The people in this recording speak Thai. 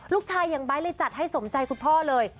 ลูกชายอย่างไบร์สเลยจัดให้สมใจคุณพ่อเลย